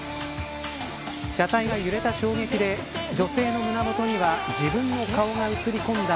車体が揺れた衝撃で女性の胸元には自分の顔が写り込んだ